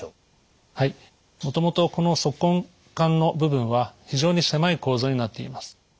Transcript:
もともとこの足根管の部分は非常に狭い構造になっています。